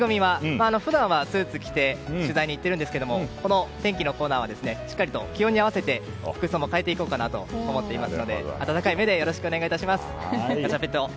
普段はスーツを着て取材に行っているんですがこの天気のコーナーはしっかりと気温に合わせて服装も変えていこうかなと思っていますので温かい目でよろしくお願いします。